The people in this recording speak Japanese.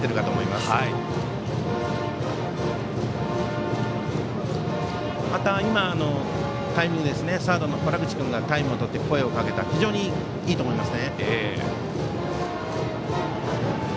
また今、サードの洞口君がタイムを取って声をかけましたが非常にいいと思います。